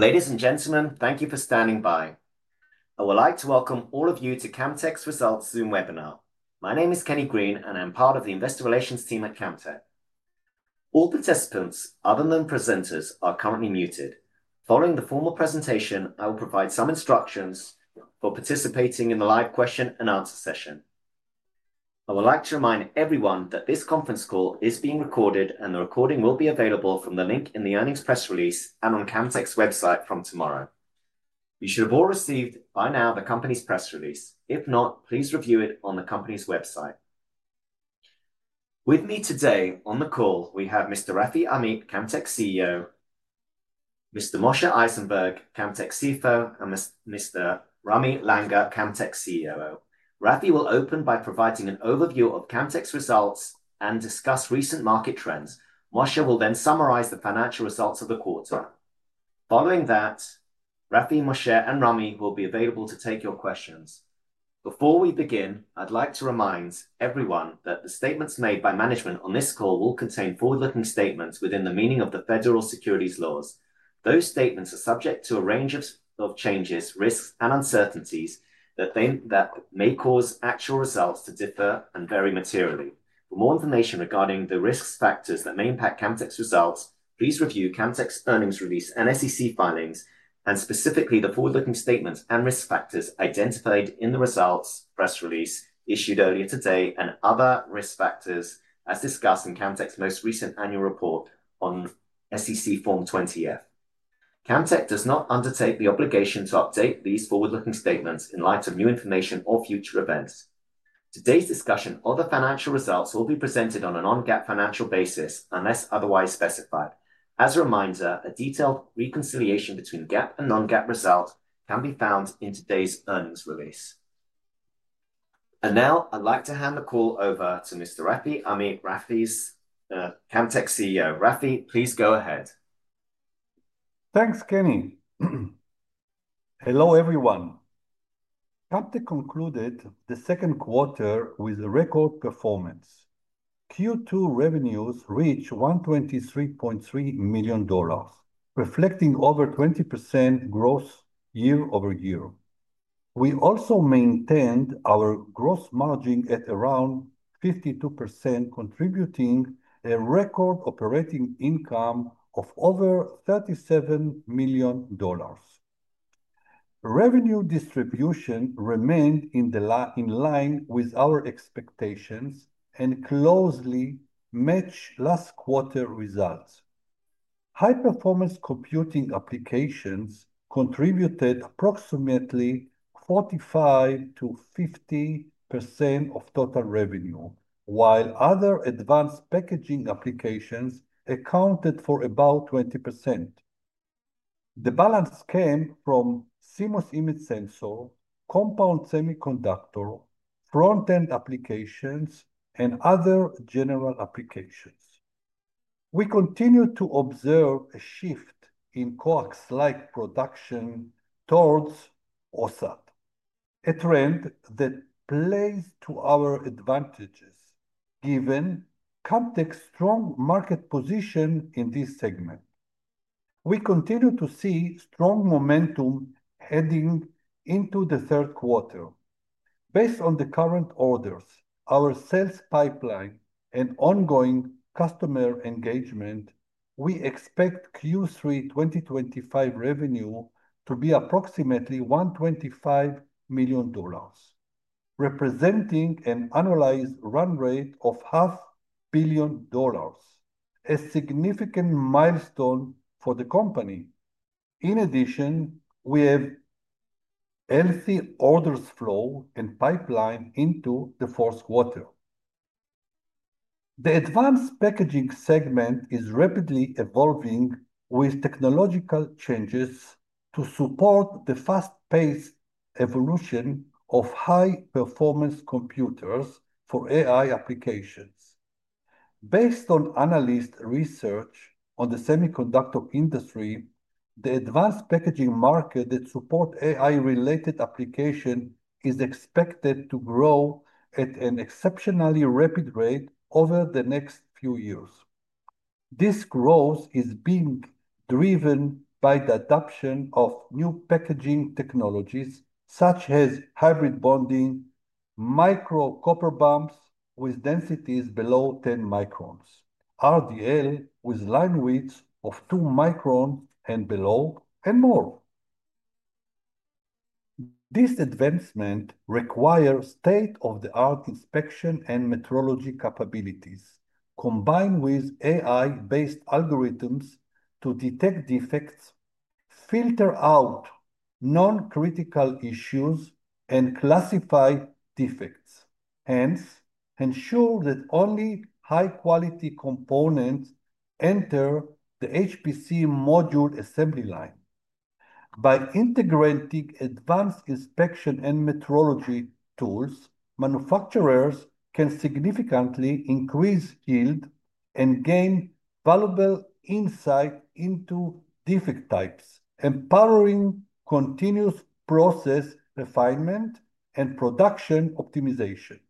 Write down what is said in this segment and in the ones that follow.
Ladies and gentlemen, thank you for standing by. I would like to welcome all of you to Camtek's Results Zoom webinar. My name is Kenny Green, and I'm part of the Investor Relations team at Camtek. All participants, other than presenters, are currently muted. Following the formal presentation, I will provide some instructions for participating in the live question and answer session. I would like to remind everyone that this conference call is being recorded, and the recording will be available from the link in the earnings press release and on Camtek's website from tomorrow. You should have all received by now the company's press release. If not, please review it on the company's website. With me today on the call, we have Mr. Rafi Amit, Camtek's CEO, Mr. Moshe Eisenberg, Camtek's CFO, and Mr. Ramy Langer, Camtek's COO. Rafi will open by providing an overview of Camtek's results and discuss recent market trends. Moshe will then summarize the financial results of the quarter. Following that, Rafi, Moshe, and Ramy will be available to take your questions. Before we begin, I'd like to remind everyone that the statements made by management on this call will contain forward-looking statements within the meaning of the Federal Securities Laws. Those statements are subject to a range of changes, risks, and uncertainties that may cause actual results to differ and vary materially. For more information regarding the risk factors that may impact Camtek's results, please review Camtek's earnings release and SEC filings, and specifically the forward-looking statements and risk factors identified in the results press release issued earlier today, and other risk factors as discussed in Camtek's most recent annual report on SEC Form 20F. Camtek does not undertake the obligation to update these forward-looking statements in light of new information or future events. Today's discussion of the financial results will be presented on a non-GAAP financial basis unless otherwise specified. As a reminder, a detailed reconciliation between GAAP and non-GAAP results can be found in today's earnings release. Now, I'd like to hand the call over to Mr. Rafi Amit, Camtek's CEO. Rafi, please go ahead. Thanks, Kenny. Hello everyone. Camtek concluded the second quarter with a record performance. Q2 revenues reached $123.3 million, reflecting over 20% growth year over year. We also maintained our gross margin at around 52%, contributing a record operating income of over $37 million. Revenue distribution remained in line with our expectations and closely matched last quarter's results. High-performance computing applications contributed approximately 45%-50% of total revenue, while other advanced packaging applications accounted for about 20%. The balance came from CMOS image sensor, compound semiconductor, front-end applications, and other general applications. We continue to observe a shift in COAS-like production towards OSAT, a trend that plays to our advantages given Camtek's strong market position in this segment. We continue to see strong momentum heading into the third quarter. Based on the current orders, our sales pipeline, and ongoing customer engagement, we expect Q3 2025 revenue to be approximately $125 million, representing an annualized run rate of $500 million, a significant milestone for the company. In addition, we have healthy orders flow and pipeline into the fourth quarter. The advanced packaging segment is rapidly evolving with technological changes to support the fast-paced evolution of high-performance computers for AI applications. Based on analysts' research on the semiconductor industry, the advanced packaging market that supports AI-related applications is expected to grow at an exceptionally rapid rate over the next few years. This growth is being driven by the adoption of new packaging technologies such as hybrid bonding, micro copper bumps with densities below 10 microns, RDL with line widths of 2 microns and below, and more. This advancement requires state-of-the-art inspection and metrology capabilities, combined with AI-based algorithms to detect defects, filter out non-critical issues, and classify defects, and ensure that only high-quality components enter the HPC module assembly line. By integrating advanced inspection and metrology tools, manufacturers can significantly increase yield and gain valuable insight into defect types, empowering continuous process refinement and production optimization.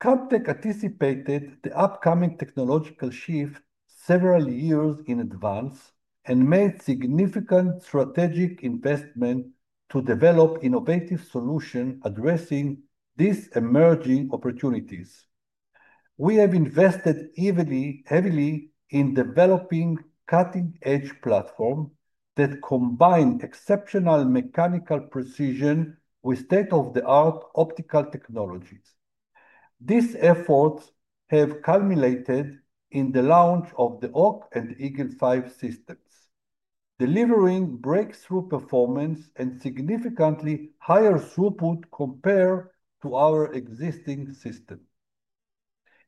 Camtek anticipated the upcoming technological shift several years in advance and made significant strategic investments to develop innovative solutions addressing these emerging opportunities. We have invested heavily in developing cutting-edge platforms that combine exceptional mechanical precision with state-of-the-art optical technologies. These efforts have culminated in the launch of the Hawk and Eagle G5 systems, delivering breakthrough performance and significantly higher throughput compared to our existing systems.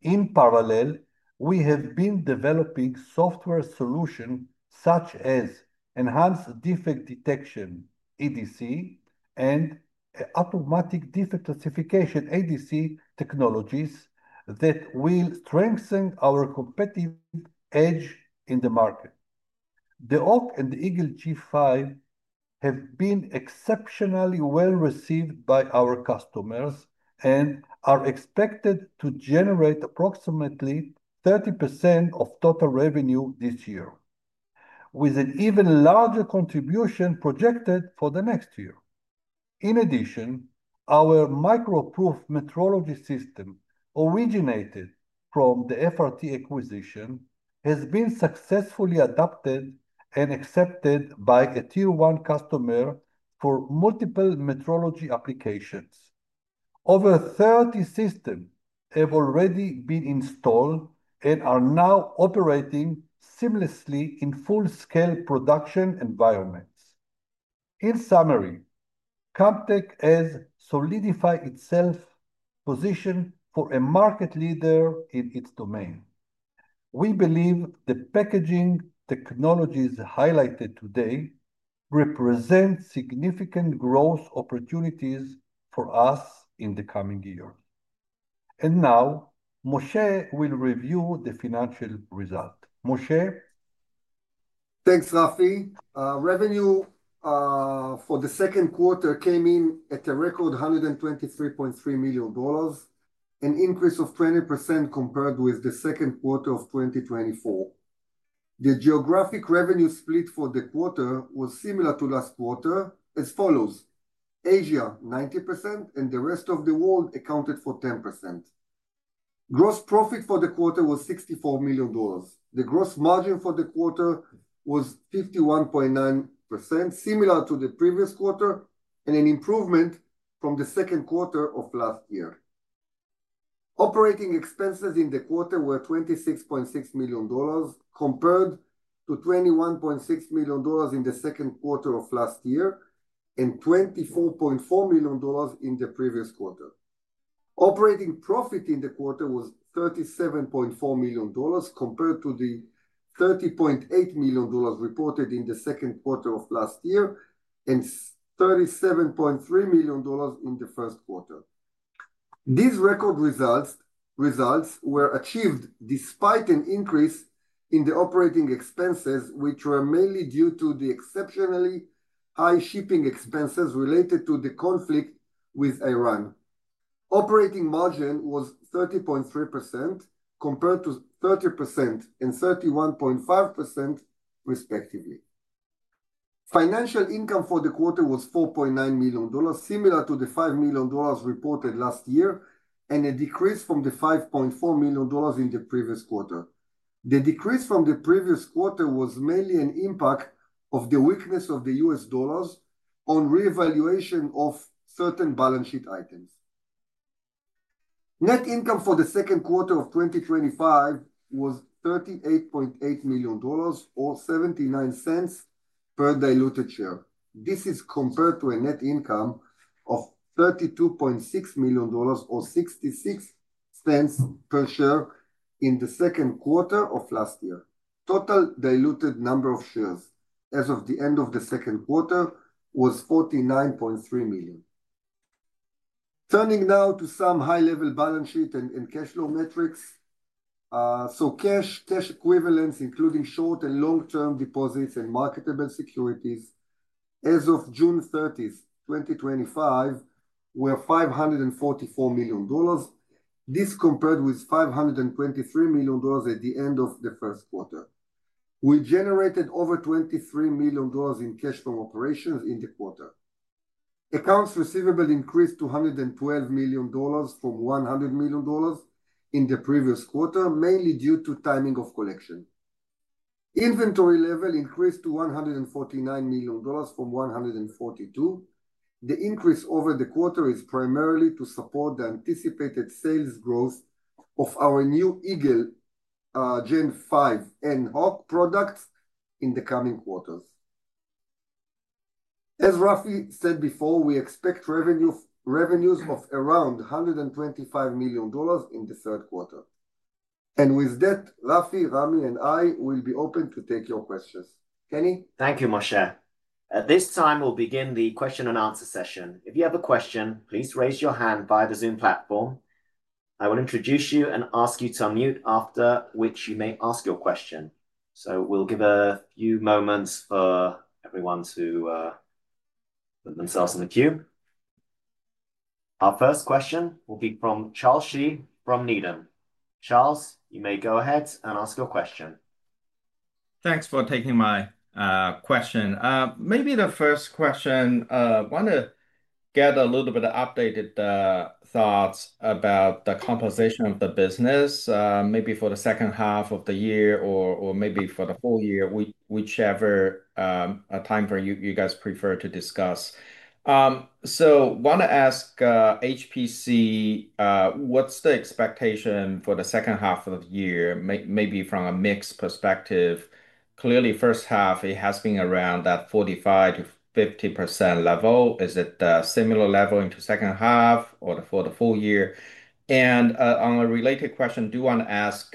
In parallel, we have been developing software solutions such as enhanced defect detection, EDC, and automatic defect classification, ADC, technologies that will strengthen our competitive edge in the market. The Hawk and the Eagle G5 have been exceptionally well received by our customers and are expected to generate approximately 30% of total revenue this year, with an even larger contribution projected for the next year. In addition, our MicroProf metrology system, originated from the FRT acquisition, has been successfully adopted and accepted by a tier-one customer for multiple metrology applications. Over 30 systems have already been installed and are now operating seamlessly in full-scale production environments. In summary, Camtek has solidified its position as a market leader in its domain. We believe the packaging technologies highlighted today represent significant growth opportunities for us in the coming year. Now, Moshe will review the financial results. Moshe? Thanks, Rafi. Revenue for the second quarter came in at a record $123.3 million, an increase of 20% compared with the second quarter of 2024. The geographic revenue split for the quarter was similar to last quarter as follows: Asia, 90%, and the rest of the world accounted for 10%. Gross profit for the quarter was $64 million. The gross margin for the quarter was 51.9%, similar to the previous quarter, and an improvement from the second quarter of last year. Operating expenses in the quarter were $26.6 million compared to $21.6 million in the second quarter of last year and $24.4 million in the previous quarter. Operating profit in the quarter was $37.4 million compared to the $30.8 million reported in the second quarter of last year and $37.3 million in the first quarter. These record results were achieved despite an increase in the operating expenses, which were mainly due to the exceptionally high shipping expenses related to the conflict with Iran. Operating margin was 30.3% compared to 30% and 31.5%, respectively. Financial income for the quarter was $4.9 million, similar to the $5 million reported last year and a decrease from the $5.4 million in the previous quarter. The decrease from the previous quarter was mainly an impact of the weakness of the U.S. dollar on reevaluation of certain balance sheet items. Net income for the second quarter of 2025 was $38.8 million or $0.79 per diluted share. This is compared to a net income of $32.6 million or $0.66 per share in the second quarter of last year. Total diluted number of shares as of the end of the second quarter was 49.3 million. Turning now to some high-level balance sheet and cash flow metrics. Cash equivalents, including short and long-term deposits and marketable securities, as of June 30, 2025, were $544 million. This is compared with $523 million at the end of the first quarter. We generated over $23 million in cash from operations in the quarter. Accounts receivable increased to $112 million from $100 million in the previous quarter, mainly due to timing of collection. Inventory level increased to $149 million from $142 million. The increase over the quarter is primarily to support the anticipated sales growth of our new Eagle Gen 5 and Hawk products in the coming quarters. As Rafi said before, we expect revenues of around $125 million in the third quarter. With that, Rafi, Ramy, and I will be open to take your questions. Kenny? Thank you, Moshe. At this time, we'll begin the question and answer session. If you have a question, please raise your hand via the Zoom platform. I will introduce you and ask you to unmute, after which you may ask your question. We'll give a few moments for everyone to put themselves in the queue. Our first question will be from Charles Shi from Needham. Charles, you may go ahead and ask your question. Thanks for taking my question. Maybe the first question, I want to get a little bit of updated thoughts about the composition of the business, maybe for the second half of the year or maybe for the whole year, whichever time frame you guys prefer to discuss. I want to ask HPC, what's the expectation for the second half of the year, maybe from a mixed perspective? Clearly, the first half, it has been around that 45%-50% level. Is it a similar level in the second half or for the full year? On a related question, I do want to ask,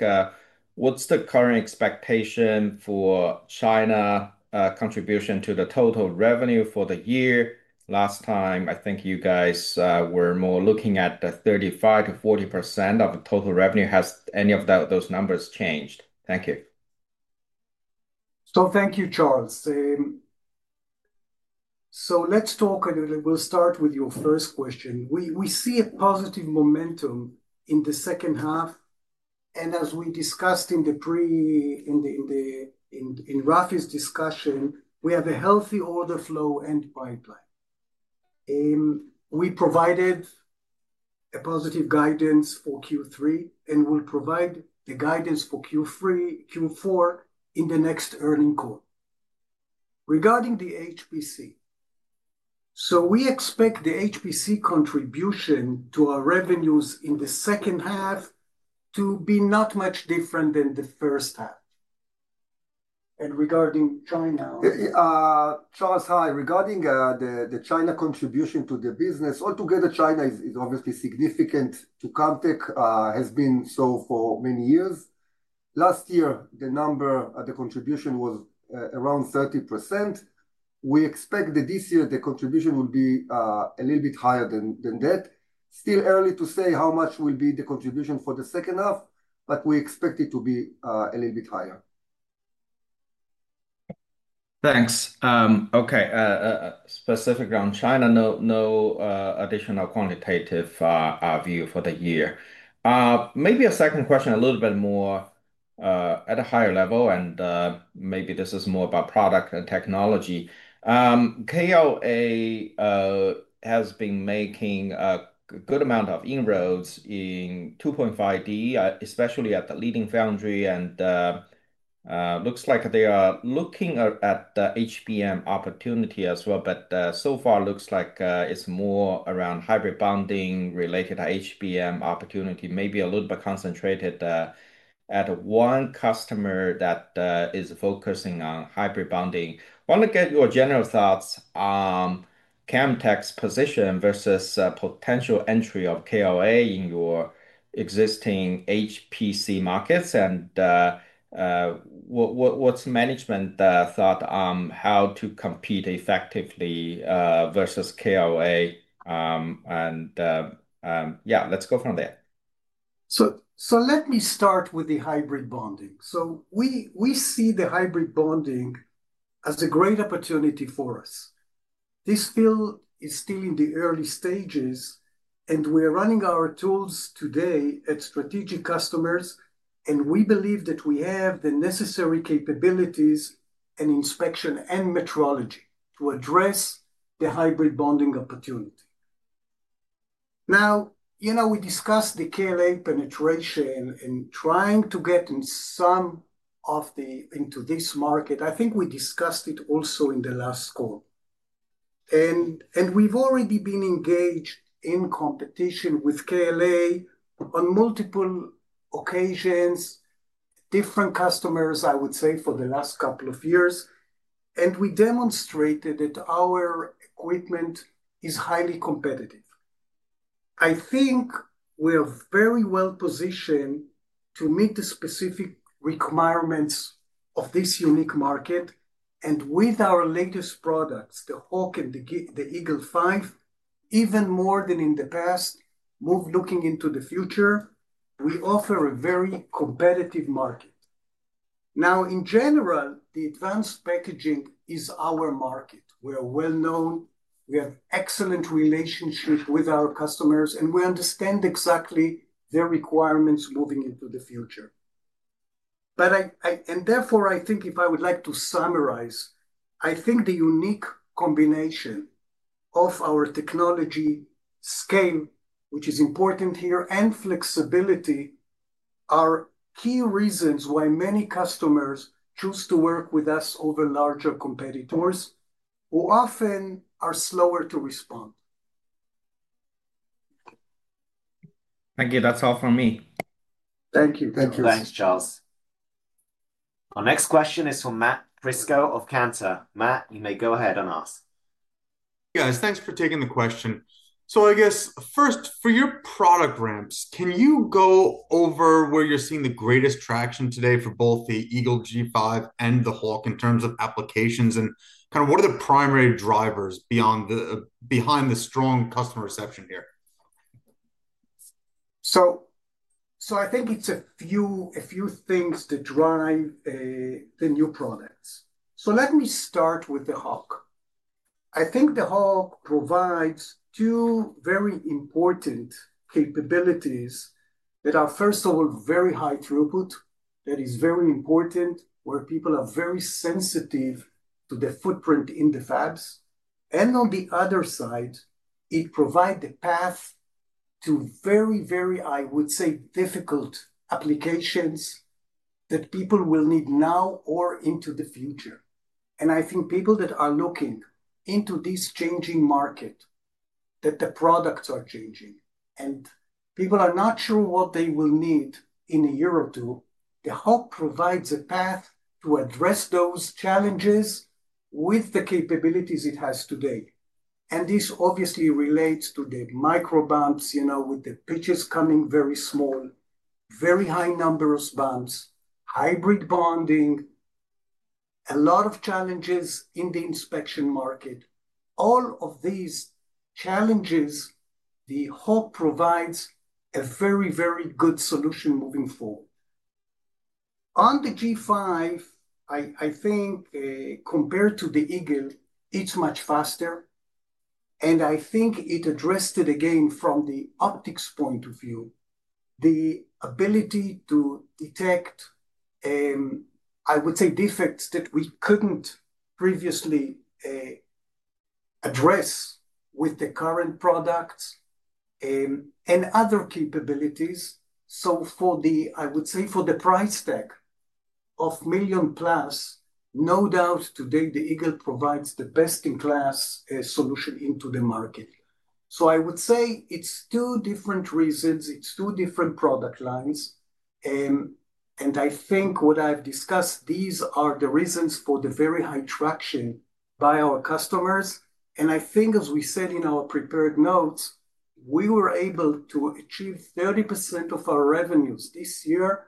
what's the current expectation for China's contribution to the total revenue for the year? Last time, I think you guys were more looking at the 35%-40% of the total revenue. Has any of those numbers changed? Thank you. Thank you, Charles. Let's talk, and we'll start with your first question. We see a positive momentum in the second half. As we discussed in Rafi's discussion, we have a healthy order flow and pipeline. We provided positive guidance for Q3 and will provide the guidance for Q4 in the next earning call. Regarding the HPC, we expect the HPC contribution to our revenues in the second half to be not much different than the first half. Regarding China, the China contribution to the business, altogether, China is obviously significant to Camtek, has been so for many years. Last year, the number of the contribution was around 30%. We expect that this year the contribution will be a little bit higher than that. Still early to say how much will be the contribution for the second half, but we expect it to be a little bit higher. Thanks. Okay, specifically on China, no additional quantitative view for the year. Maybe a second question, a little bit more at a higher level, and maybe this is more about product and technology. KLA has been making a good amount of inroads in 2.5D, especially at the leading foundry. It looks like they are looking at the HBM opportunity as well. So far, it looks like it's more around hybrid bonding-related HBM opportunity, maybe a little bit concentrated at one customer that is focusing on hybrid bonding. I want to get your general thoughts on Camtek's position versus potential entry of KLA in your existing HPC markets. What's management's thought on how to compete effectively versus KLA? Let's go from there. Let me start with the hybrid bonding. We see the hybrid bonding as a great opportunity for us. This field is still in the early stages, and we're running our tools today at strategic customers. We believe that we have the necessary capabilities and inspection and metrology to address the hybrid bonding opportunity. You know we discussed the KLA penetration and trying to get into this market. I think we discussed it also in the last call. We've already been engaged in competition with KLA on multiple occasions, different customers, I would say, for the last couple of years. We demonstrated that our equipment is highly competitive. I think we're very well positioned to meet the specific requirements of this unique market. With our latest products, the Hawk and the Eagle G5, even more than in the past, looking into the future, we offer a very competitive market. In general, the advanced packaging is our market. We are well known. We have excellent relationships with our customers, and we understand exactly their requirements moving into the future. Therefore, I think if I would like to summarize, the unique combination of our technology scheme, which is important here, and flexibility are key reasons why many customers choose to work with us over larger competitors who often are slower to respond. Thank you. That's all from me. Thank you. Thank you. Thanks, Charles. Our next question is from Matt Prisco of Cantor. Matt, you may go ahead and ask. Yes, thanks for taking the question. For your product ramps, can you go over where you're seeing the greatest traction today for both the Eagle G5 and the Hawk in terms of applications? What are the primary drivers behind the strong customer reception here? I think it's a few things that drive the new products. Let me start with the Hawk. I think the Hawk provides two very important capabilities that are, first of all, very high throughput. That is very important where people are very sensitive to the footprint in the fabs. On the other side, it provides the path to very, very, I would say, difficult applications that people will need now or into the future. I think people that are looking into this changing market, that the products are changing, and people are not sure what they will need in a year or two, the Hawk provides a path to address those challenges with the capabilities it has today. This obviously relates to the micro bumps, you know, with the pitches coming very small, very high number of bumps, hybrid bonding, a lot of challenges in the inspection market. All of these challenges, the Hawk provides a very, very good solution moving forward. On the G5, I think compared to the Eagle, it's much faster. I think it addressed it again from the optics point of view, the ability to detect, I would say, defects that we couldn't previously address with the current products and other capabilities. For the, I would say, for the price tag of $1 million plus, no doubt today the Eagle provides the best-in-class solution into the market. I would say it's two different reasons. It's two different product lines. I think what I've discussed, these are the reasons for the very high traction by our customers. As we said in our prepared notes, we were able to achieve 30% of our revenues this year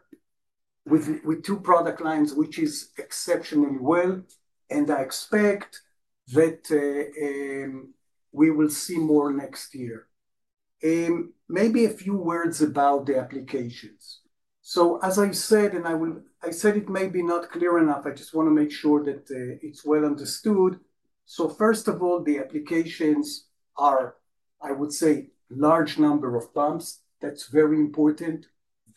with two product lines, which is exceptionally well. I expect that we will see more next year. Maybe a few words about the applications. As I said, and I said it may be not clear enough, I just want to make sure that it's well understood. First of all, the applications are, I would say, a large number of bumps. That's very important.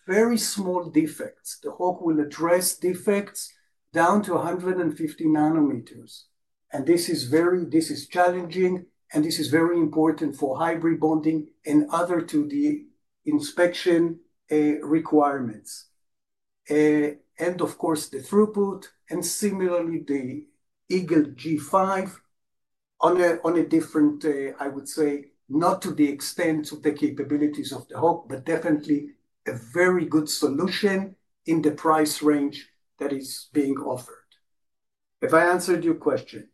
Very small defects. The Hawk will address defects down to 150 nanometers. This is challenging. This is very important for hybrid bonding and other 2D inspection requirements. Of course, the throughput and similarly the Eagle G5 on a different, I would say, not to the extent of the capabilities of the Hawk, but definitely a very good solution in the price range that is being offered. Have I answered your question?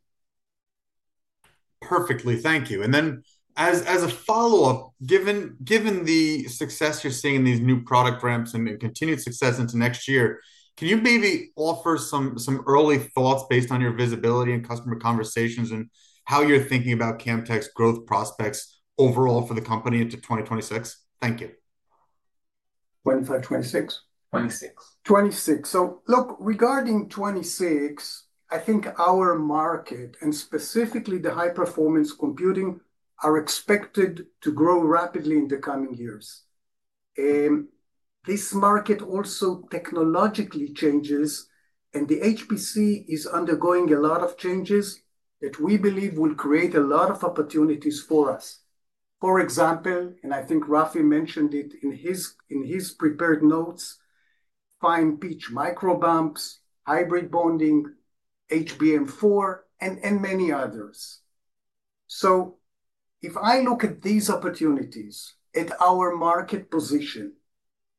Thank you. As a follow-up, given the success you're seeing in these new product ramps and continued success into next year, can you maybe offer some early thoughts based on your visibility and customer conversations and how you're thinking about Camtek's growth prospects overall for the company into 2026? Thank you. When's that, 2026? 2026. 2026. Look, regarding 2026, I think our market, and specifically the high-performance computing, are expected to grow rapidly in the coming years. This market also technologically changes, and the HPC is undergoing a lot of changes that we believe will create a lot of opportunities for us. For example, and I think Rafi mentioned it in his prepared notes, fine pitch micro bumps, hybrid bonding, HBM4, and many others. If I look at these opportunities at our market position,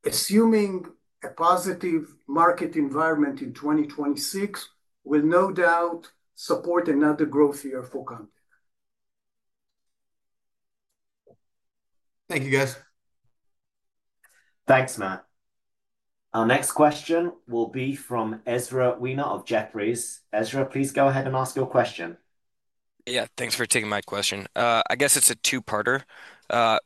assuming a positive market environment in 2026, we'll no doubt support another growth year for Camtek. Thank you, guys. Thanks, Matt. Our next question will be from Ezra Weener of Jefferies. Ezra, please go ahead and ask your question. Yeah, thanks for taking my question. I guess it's a two-parter.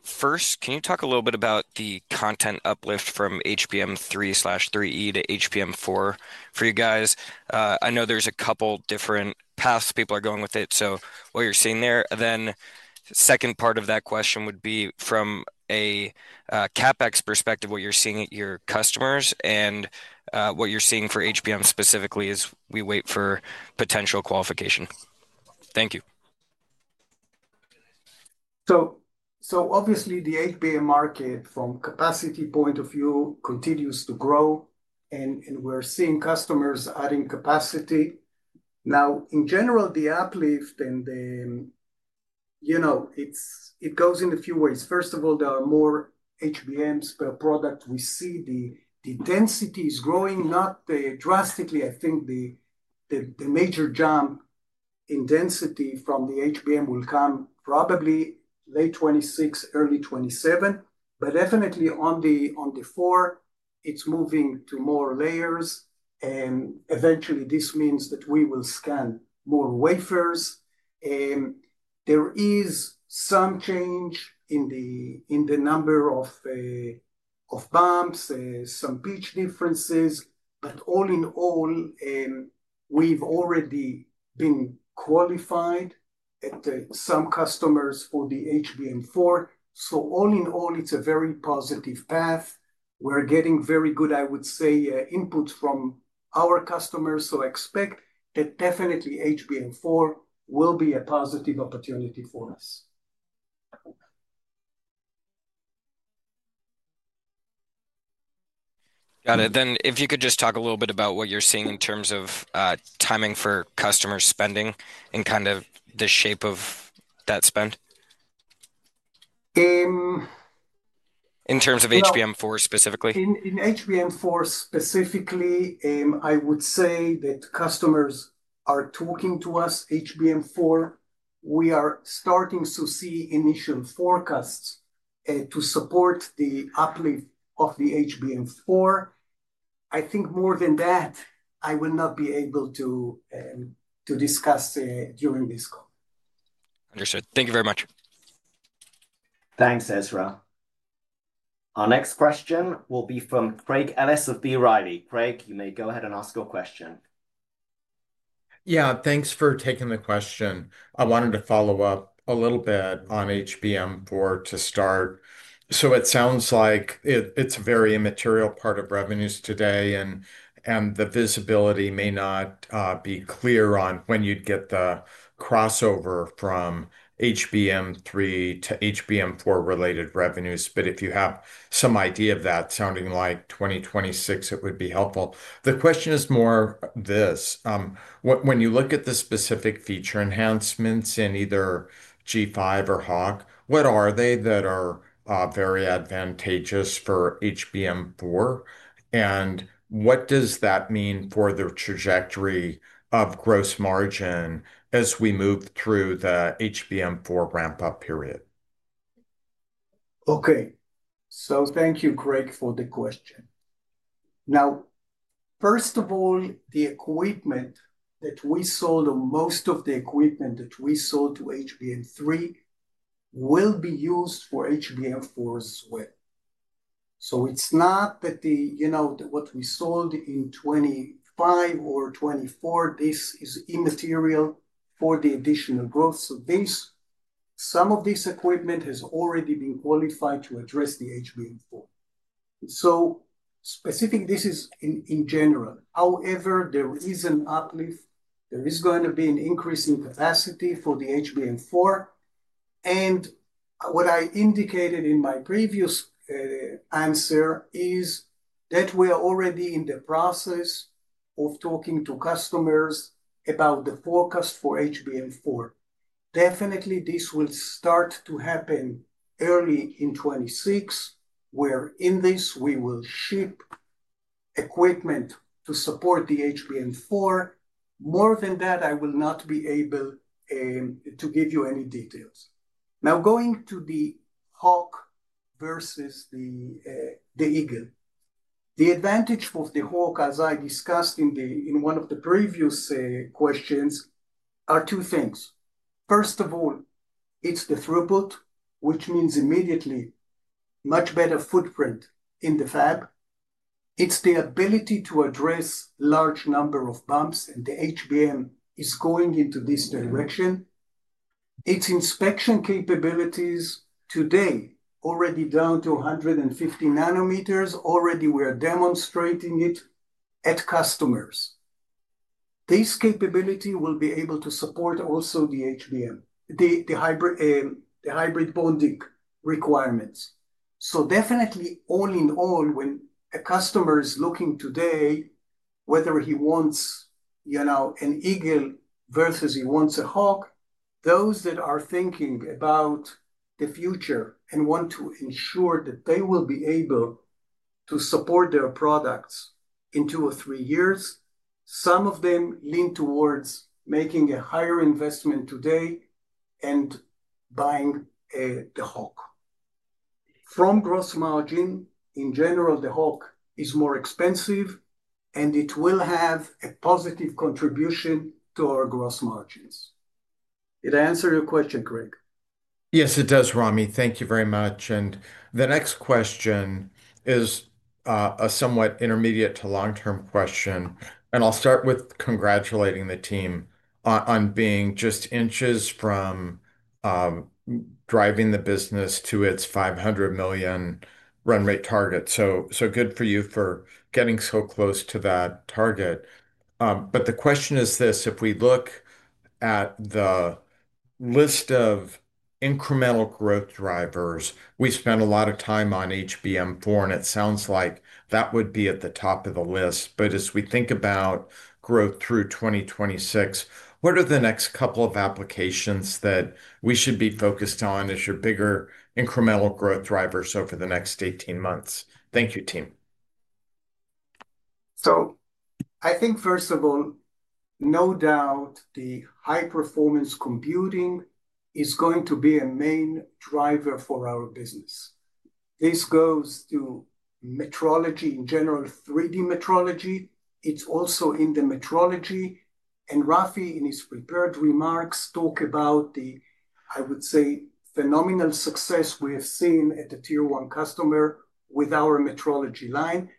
First, can you talk a little bit about the content uplift from HBM3/3E to HBM4 for you guys? I know there's a couple different paths people are going with it. What you're seeing there. The second part of that question would be from a CapEx perspective, what you're seeing at your customers and what you're seeing for HBM specifically as we wait for potential qualification. Thank you. Obviously, the HBM market from a capacity point of view continues to grow, and we're seeing customers adding capacity. In general, the uplift goes in a few ways. First of all, there are more HBMs per product we see. The density is growing, not drastically. I think the major jump in density from the HBM will come probably late 2026, early 2027. On the four, it's moving to more layers. Eventually, this means that we will scan more wafers. There is some change in the number of bumps, some pitch differences. All in all, we've already been qualified at some customers for the HBM4. All in all, it's a very positive path. We're getting very good, I would say, inputs from our customers. I expect that definitely HBM4 will be a positive opportunity for us. Got it. If you could just talk a little bit about what you're seeing in terms of timing for customer spending and kind of the shape of that spend in terms of HBM4 specifically. In HBM4 specifically, I would say that customers are talking to us. HBM4, we are starting to see initial forecasts to support the uplift of the HBM4. I think more than that, I will not be able to discuss during this call. Understood. Thank you very much. Thanks, Ezra. Our next question will be from Craig Ellis of B. Riley. Craig, you may go ahead and ask your question. Yeah, thanks for taking the question. I wanted to follow up a little bit on HBM4 to start. It sounds like it's a very immaterial part of revenues today, and the visibility may not be clear on when you'd get the crossover from HBM3 to HBM4 related revenues. If you have some idea of that sounding like 2026, it would be helpful. The question is more this. When you look at the specific feature enhancements in either G5 or Hawk, what are they that are very advantageous for HBM4? What does that mean for the trajectory of gross margin as we move through the HBM4 ramp-up period? Okay. Thank you, Craig, for the question. First of all, the equipment that we sold, or most of the equipment that we sold to HBM3, will be used for HBM4 as well. It's not that what we sold in 2025 or 2024, this is immaterial for the additional growth. Some of this equipment has already been qualified to address the HBM4. Specifically, this is in general. There is an uplift. There is going to be an increase in capacity for the HBM4. What I indicated in my previous answer is that we are already in the process of talking to customers about the forecast for HBM4. Definitely, this will start to happen early in 2026, where we will ship equipment to support the HBM4. More than that, I will not be able to give you any details. Now, going to the Hawk versus the Eagle, the advantage of the Hawk, as I discussed in one of the previous questions, are two things. First of all, it's the throughput, which means immediately much better footprint in the fab. It's the ability to address a large number of bumps, and the HBM is going into this direction. Its inspection capabilities today are already down to 150 nm. Already, we are demonstrating it at customers. This capability will be able to support also the hybrid bonding requirements. All in all, when a customer is looking today whether he wants an Eagle versus he wants an Hawk, those that are thinking about the future and want to ensure that they will be able to support their products in two or three years, some of them lean towards making a higher investment today and buying the Hawk. From gross margin, in general, the Hawk is more expensive, and it will have a positive contribution to our gross margins. Did I answer your question, Craig? Yes, it does, Ramy. Thank you very much. The next question is a somewhat intermediate to long-term question. I'll start with congratulating the team on being just inches from driving the business to its $500 million run rate target. Good for you for getting so close to that target. The question is this: if we look at the list of incremental growth drivers, we spent a lot of time on HBM4, and it sounds like that would be at the top of the list. As we think about growth through 2026, what are the next couple of applications that we should be focused on as your bigger incremental growth drivers over the next 18 months? Thank you, team. I think, first of all, no doubt the high-performance computing is going to be a main driver for our business. This goes to metrology in general, 3D metrology. It's also in the metrology. Rafi, in his prepared remarks, talked about the, I would say, phenomenal success we have seen at the tier one customer with our metrology line.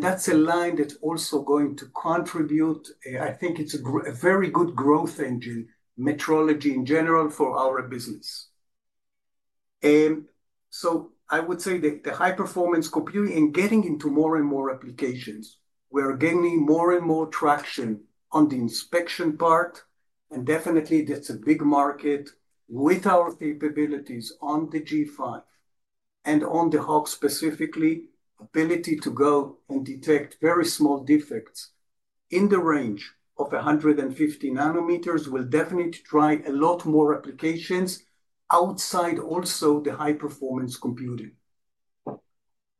That's a line that's also going to contribute. I think it's a very good growth engine, metrology in general, for our business. I would say that the high-performance computing and getting into more and more applications, we are gaining more and more traction on the inspection part. Definitely, that's a big market with our capabilities on the G5 and on the Hawk specifically, ability to go and detect very small defects in the range of 150 nm. We'll definitely try a lot more applications outside also the high-performance computing.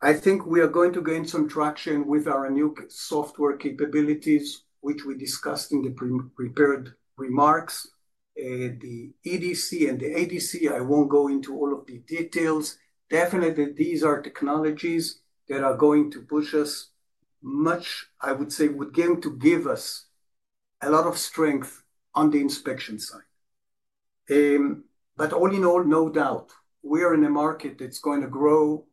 I think we are going to gain some traction with our new software capabilities, which we discussed in the prepared remarks, the EDC and the ADC. I won't go into all of the details. Definitely, these are technologies that are going to push us much, I would say, going to give us a lot of strength on the inspection side. All in all, no doubt, we are in a market that's going to grow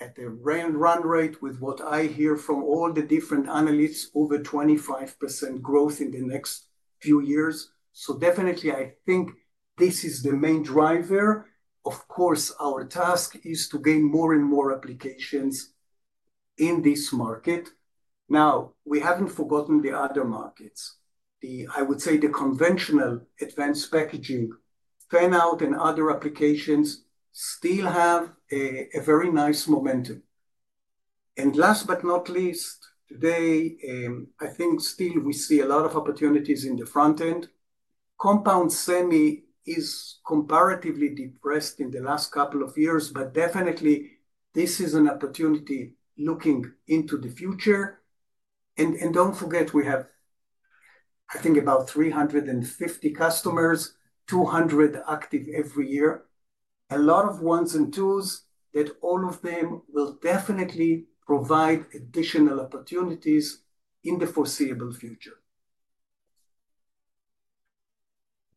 at the run rate with what I hear from all the different analysts, over 25% growth in the next few years. Definitely, I think this is the main driver. Of course, our task is to gain more and more applications in this market. We haven't forgotten the other markets. I would say the conventional advanced packaging, fan-out, and other applications still have a very nice momentum. Last but not least, today, I think still we see a lot of opportunities in the front end. Compound semi is comparatively depressed in the last couple of years, but definitely, this is an opportunity looking into the future. Don't forget, we have, I think, about 350 customers, 200 active every year, a lot of ones and twos that all of them will definitely provide additional opportunities in the foreseeable future.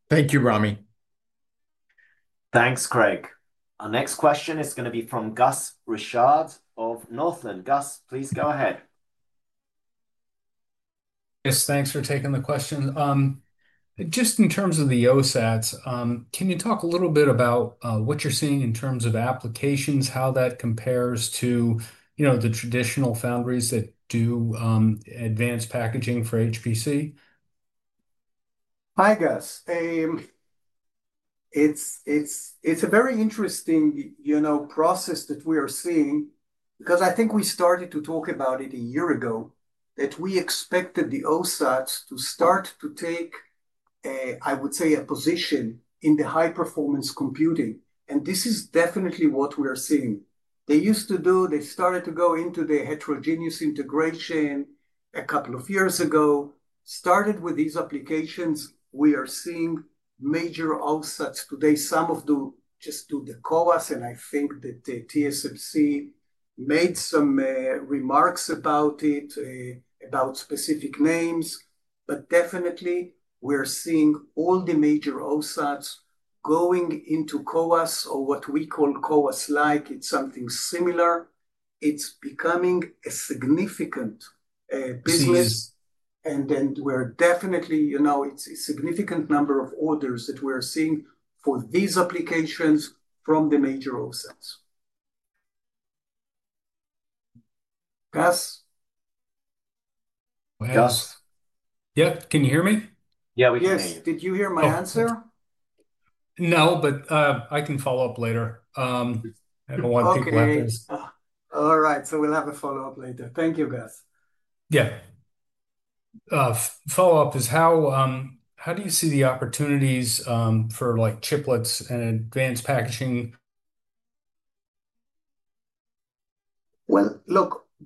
Thank you, Ramy. Thanks, Craig. Our next question is going to be from Gus Richard of Northland. Gus, please go ahead. Yes, thanks for taking the question. Just in terms of the OSATs, can you talk a little bit about what you're seeing in terms of applications, how that compares to the traditional foundries that do advanced packaging for HPC? Hi, Gus. It's a very interesting process that we are seeing because I think we started to talk about it a year ago, that we expected the OSATs to start to take, I would say, a position in the high-performance computing. This is definitely what we are seeing. They used to do, they started to go into the heterogeneous integration a couple of years ago. Started with these applications. We are seeing major OSATs today. Some of them just do the COAS, and I think that TSMC made some remarks about it, about specific names. We are seeing all the major OSATs going into COAS or what we call COAS-like. It's something similar. It's becoming a significant business. It's a significant number of orders that we are seeing for these applications from the major OSATs. Gus? Yep, can you hear me? Yeah, we can. Yes, did you hear my answer? No, but I can follow up later. I don't want to take. All right. We'll have a follow-up later. Thank you, Gus. Yeah. Follow-up is how do you see the opportunities for like chiplets and advanced packaging?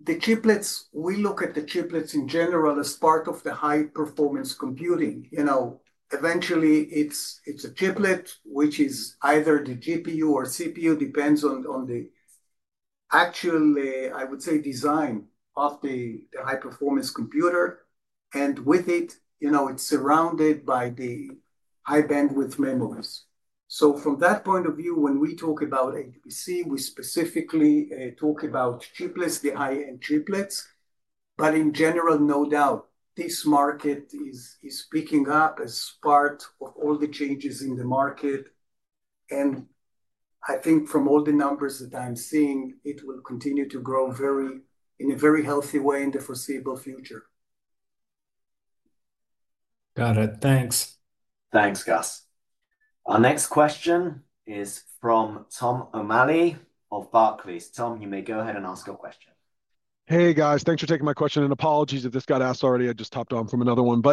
The chiplets, we look at the chiplets in general as part of the high-performance computing. You know, eventually, it's a chiplet, which is either the GPU or CPU, depends on the actual, I would say, design of the high-performance computer. With it, you know, it's surrounded by the high-bandwidth memories. From that point of view, when we talk about HPC, we specifically talk about chiplets, the high-end chiplets. In general, no doubt, this market is picking up as part of all the changes in the market. I think from all the numbers that I'm seeing, it will continue to grow in a very healthy way in the foreseeable future. Got it. Thanks. Thanks, Gus. Our next question is from Tom O'Malley of Barclays. Tom, you may go ahead and ask a question. Hey, guys. Thanks for taking my question. Apologies if this got asked already. I just hopped on from another one.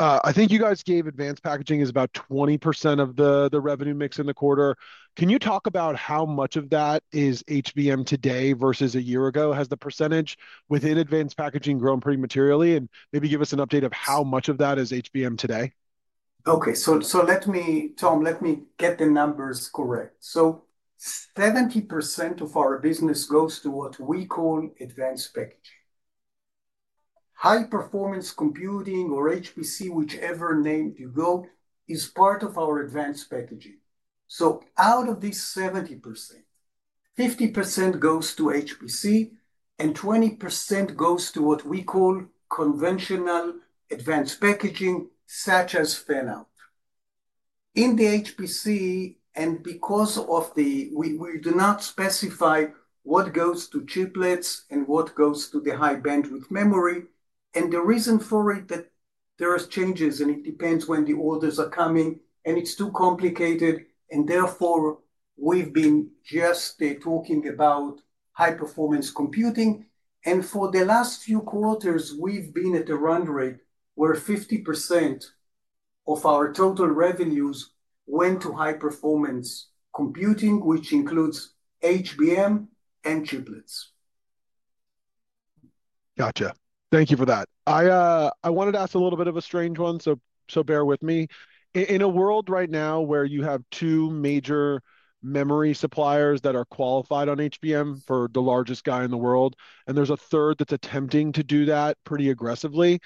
I think you guys gave advanced packaging is about 20% of the revenue mix in the quarter. Can you talk about how much of that is HBM today versus a year ago? Has the percentage within advanced packaging grown pretty materially? Maybe give us an update of how much of that is HBM today? Tom let me get the numbers correct. 70% of our business goes to what we call advanced packaging. High-performance computing or HPC, whichever name you go, is part of our advanced packaging. Out of this 70%, 50% goes to HPC and 20% goes to what we call conventional advanced packaging, such as fan-out. In the HPC, we do not specify what goes to chiplets and what goes to the high-bandwidth memory. The reason for it is that there are changes, and it depends when the orders are coming, and it's too complicated. Therefore, we've been just talking about high-performance computing. For the last few quarters, we've been at a run rate where 50% of our total revenues went to high-performance computing, which includes HBM and chiplets. Gotcha. Thank you for that. I wanted to ask a little bit of a strange one, so bear with me. In a world right now where you have two major memory suppliers that are qualified on HBM for the largest guy in the world, and there's a third that's attempting to do that pretty aggressively,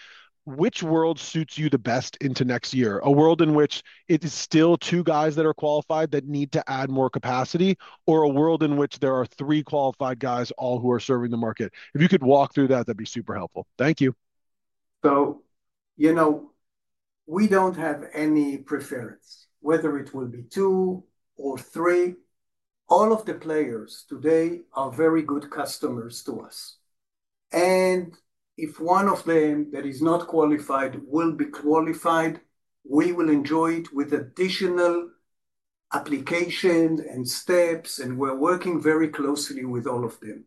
which world suits you the best into next year? A world in which it is still two guys that are qualified that need to add more capacity, or a world in which there are three qualified guys all who are serving the market? If you could walk through that, that'd be super helpful. Thank you. We don't have any preference whether it will be two or three. All of the players today are very good customers to us. If one of them that is not qualified will be qualified, we will enjoy it with additional applications and steps. We're working very closely with all of them.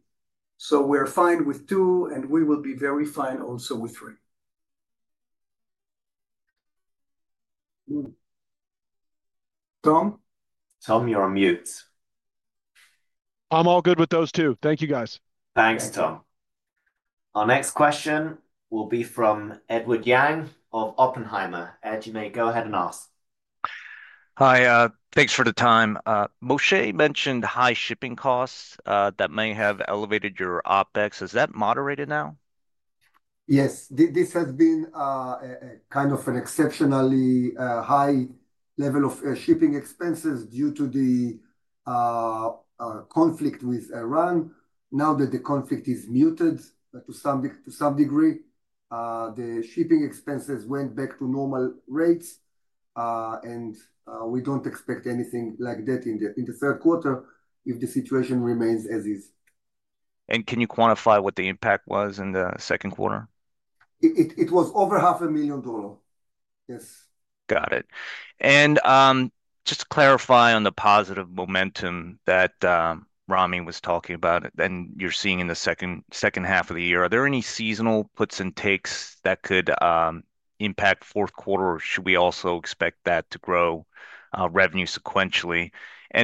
We're fine with two, and we will be very fine also with three. Tom? Tom, you're on mute. I'm all good with those two. Thank you, guys. Thanks, Tom. Our next question will be from Edward Yang of Oppenheimer. Ed, you may go ahead and ask. Hi. Thanks for the time. Moshe mentioned high shipping costs that may have elevated your OpEx. Is that moderated now? Yes. This has been kind of an exceptionally high level of shipping expenses due to the conflict with Iran. Now that the conflict is muted to some degree, the shipping expenses went back to normal rates. We don't expect anything like that in the third quarter if the situation remains as is. Can you quantify what the impact was in the second quarter? It was over $0.5 million. Yes. Got it. Just to clarify on the positive momentum that Ramy was talking about and you're seeing in the second half of the year, are there any seasonal puts and takes that could impact fourth quarter? Should we also expect that to grow revenue sequentially?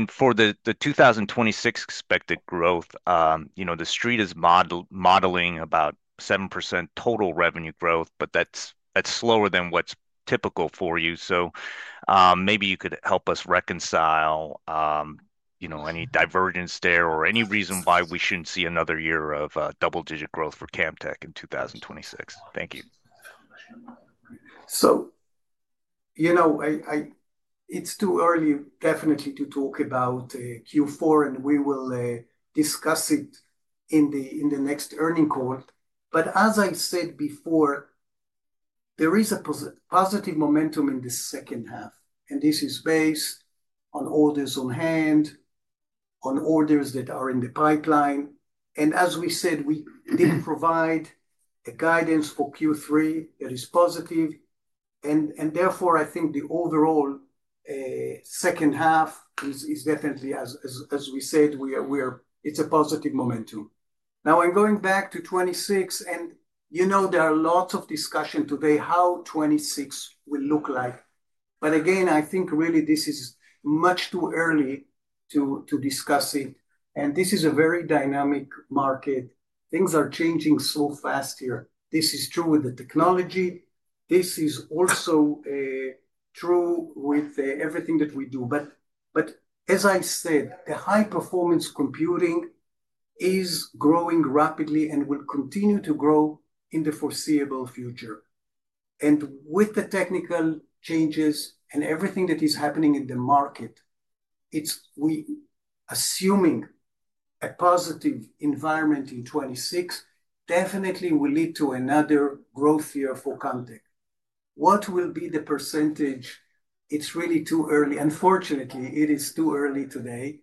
For the 2026 expected growth, you know, the Street is modeling about 7% total revenue growth, but that's slower than what's typical for you. Maybe you could help us reconcile any divergence there or any reason why we shouldn't see another year of double-digit growth for Camtek in 2026. Thank you. It's too early definitely to talk about Q4, and we will discuss it in the next earning call. As I said before, there is a positive momentum in the second half. This is based on orders on hand, on orders that are in the pipeline. As we said, we did provide a guidance for Q3 that is positive. Therefore, I think the overall second half is definitely, as we said, it's a positive momentum. Now, I'm going back to 2026. There are lots of discussions today how 2026 will look like. Again, I think really this is much too early to discuss it. This is a very dynamic market. Things are changing so fast here. This is true with the technology. This is also true with everything that we do. As I said, the high-performance computing is growing rapidly and will continue to grow in the foreseeable future. With the technical changes and everything that is happening in the market, we're assuming a positive environment in 2026 definitely will lead to another growth year for Camtek. What will be the percentage? It's really too early. Unfortunately, it is too early today.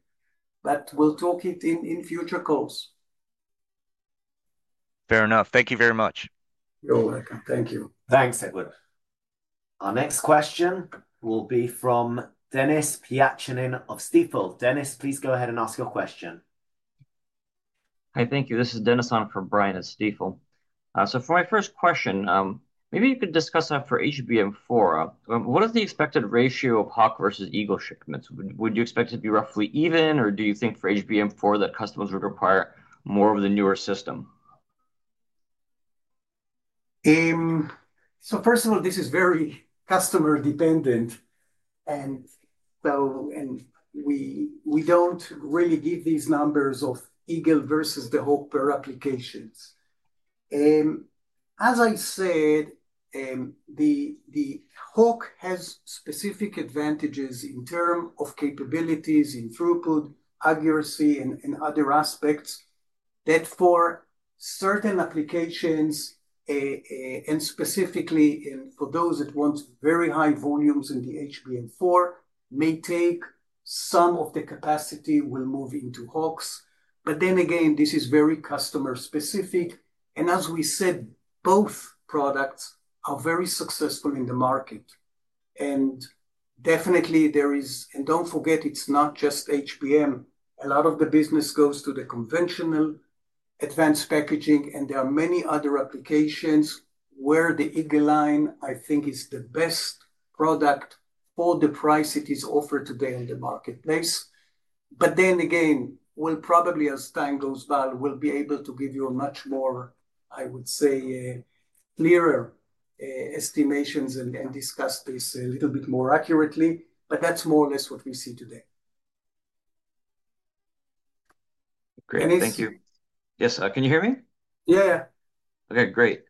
We'll talk it in future calls. Fair enough. Thank you very much. You're welcome. Thank you. Thanks, Edward. Our next question will be from Denis Pyatchanin of Stifel. Denis, please go ahead and ask your question. Hi, thank you. This is Denis on for Brian at Stifel. For my first question, maybe you could discuss that for HBM4. What is the expected ratio of Hawk versus Eagle shipments? Would you expect it to be roughly even, or do you think for HBM4 that customers would require more of the newer system? First of all, this is very customer-dependent. We don't really give these numbers of Eagle versus the Hawk per applications. As I said, the Hawk has specific advantages in terms of capabilities in throughput, accuracy, and other aspects that for certain applications, and specifically for those that want very high volumes in the HBM4, may take some of the capacity will move into Hawk. This is very customer-specific. As we said, both products are very successful in the market. Definitely, there is, and don't forget, it's not just HBM. A lot of the business goes to the conventional advanced packaging. There are many other applications where the Eagle line, I think, is the best product for the price it is offered today in the marketplace. As time goes by, we'll be able to give you much more, I would say, clearer estimations and discuss this a little bit more accurately. That's more or less what we see today. Great. Thank you. Yes, can you hear me? Yeah, yeah. OK, great.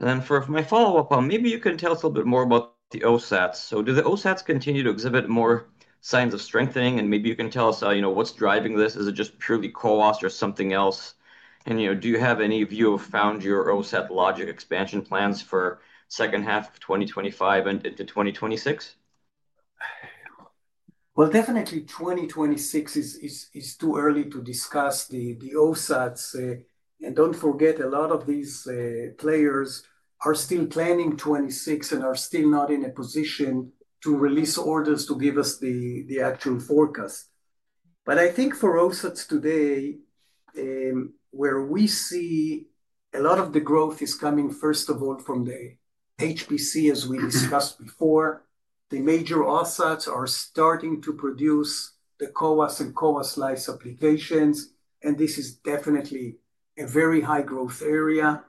For my follow-up, maybe you can tell us a little bit more about the OSATs. Do the OSATs continue to exhibit more signs of strengthening? Maybe you can tell us what's driving this. Is it just purely COAS or something else? Do you have any view of foundry or OSAT logic expansion plans for the second half of 2025 and into 2026? 2026 is too early to discuss the OSATs. Don't forget, a lot of these players are still planning 2026 and are still not in a position to release orders to give us the actual forecast. I think for OSATs today, where we see a lot of the growth is coming, first of all, from the HPC, as we discussed before. The major OSATs are starting to produce the COAS and COAS-licensed applications. This is definitely a very high growth area.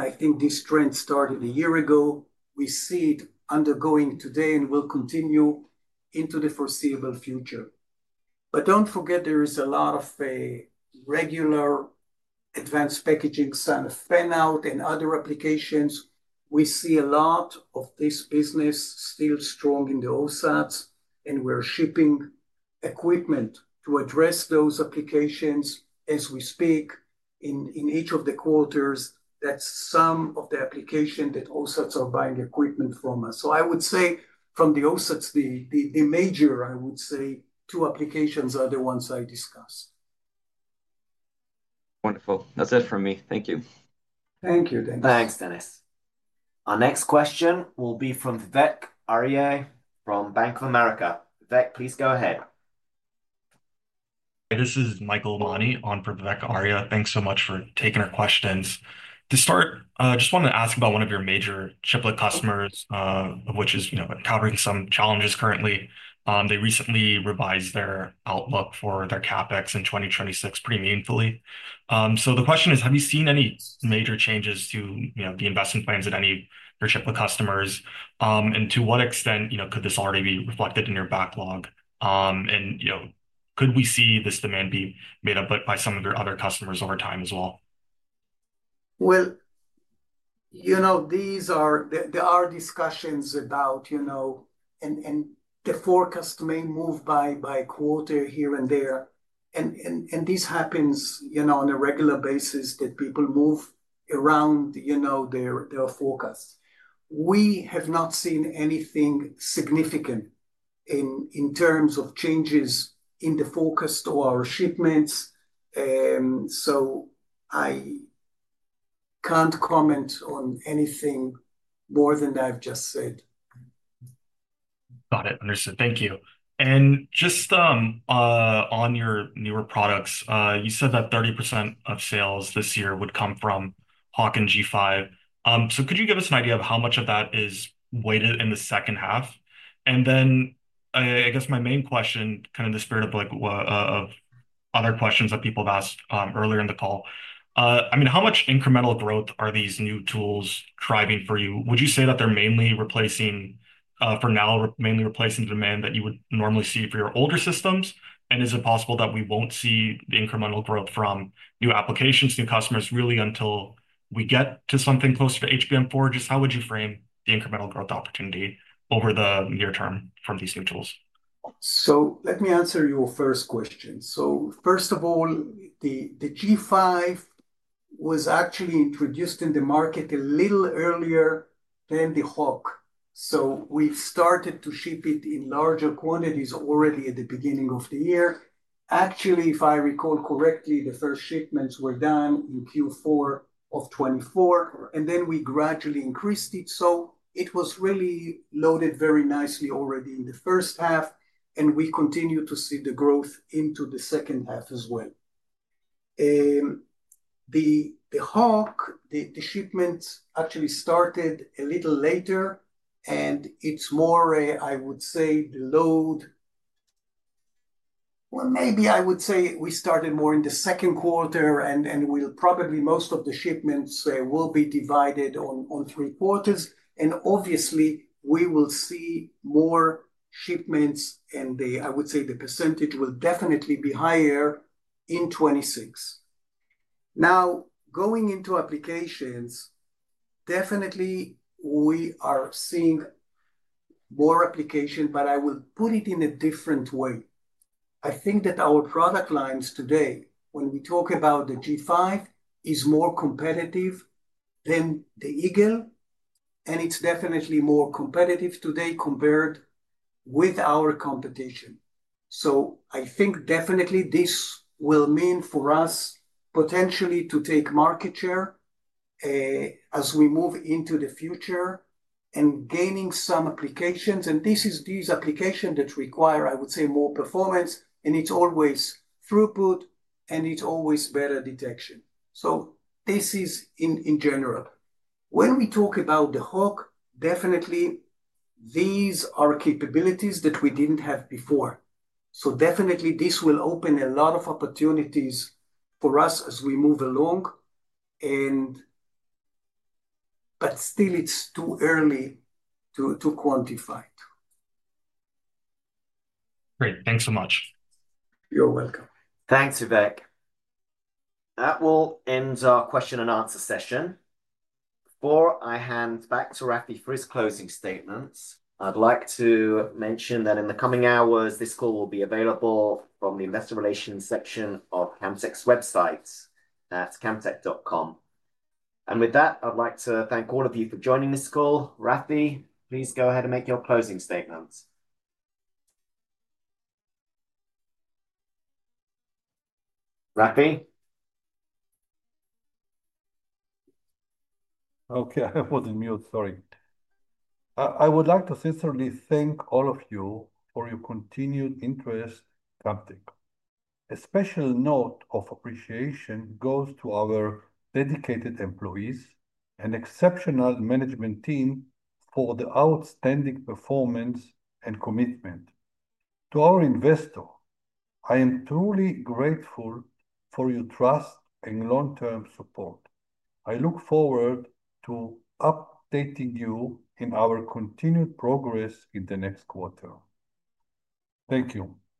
I think this trend started a year ago. We see it undergoing today and will continue into the foreseeable future. Don't forget, there is a lot of regular advanced packaging, signed fan-out, and other applications. We see a lot of this business still strong in the OSATs, and we're shipping equipment to address those applications as we speak in each of the quarters. That's some of the applications that OSATs are buying equipment from us. I would say from the OSATs, the major, I would say, two applications are the ones I discussed. Wonderful. That's it from me. Thank you. Thank you, Denis. Thanks, Denis. Our next question will be from Vivek Arya from Bank of America. Vivek, please go ahead. This is Michael Mani on for Vivek Arya. Thanks so much for taking our questions. To start, I just wanted to ask about one of your major chiplet customers, which is covering some challenges currently. They recently revised their outlook for their CapEx in 2026 pretty meaningfully. The question is, have you seen any major changes to the investment plans at any of your chiplet customers? To what extent could this already be reflected in your backlog? Could we see this demand be made up by some of your other customers over time as well? There are discussions about, you know, and the forecast may move by quarter here and there. This happens on a regular basis that people move around, you know, their forecast. We have not seen anything significant in terms of changes in the forecast or our shipments. I can't comment on anything more than I've just said. Got it. Understood. Thank you. Just on your newer products, you said that 30% of sales this year would come from Hawk and Eagle G5. Could you give us an idea of how much of that is weighted in the second half? My main question, kind of in the spirit of other questions that people have asked earlier in the call, is how much incremental growth are these new tools driving for you? Would you say that they're mainly replacing, for now, mainly replacing demand that you would normally see for your older systems? Is it possible that we won't see the incremental growth from new applications, new customers, really until we get to something closer to HBM4? How would you frame the incremental growth opportunity over the near term from these new tools? Let me answer your first question. First of all, the Eagle G5 was actually introduced in the market a little earlier than the Hawk. We started to ship it in larger quantities already at the beginning of the year. Actually, if I recall correctly, the first shipments were done in Q4 of 2024. We gradually increased it, so it was really loaded very nicely already in the first half. We continue to see the growth into the second half as well. The Hawk shipment actually started a little later. It is more, I would say, the load. Maybe I would say we started more in the second quarter. Most of the shipments will be divided on three quarters. Obviously, we will see more shipments, and I would say the percentage will definitely be higher in 2026. Now, going into applications, definitely, we are seeing more applications. I will put it in a different way. I think that our product lines today, when we talk about the G5, are more competitive than the Eagle. It is definitely more competitive today compared with our competition. I think definitely this will mean for us potentially to take market share as we move into the future and gain some applications. These applications require, I would say, more performance. It is always throughput, and it is always better detection. This is in general. When we talk about the Hawk, these are capabilities that we did not have before. This will open a lot of opportunities for us as we move along. Still, it is too early to quantify it. Great. Thanks so much. You're welcome. Thanks, Vivek. That will end our question and answer session. Before I hand back to Rafi for his closing statements, I'd like to mention that in the coming hours, this call will be available from the Investor Relations section of Camtek's website. That's camtek.com. I'd like to thank all of you for joining this call. Rafi, please go ahead and make your closing statements. Rafi? Okay, I was in mute. Sorry. I would like to sincerely thank all of you for your continued interest in Camtek. A special note of appreciation goes to our dedicated employees and exceptional management team for the outstanding performance and commitment. To our investor, I am truly grateful for your trust and long-term support. I look forward to updating you in our continued progress in the next quarter. Thank you.